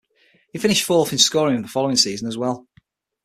He finished fourth in scoring the following season as well.